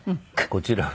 こちらは。